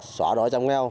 xóa đói trong ngheo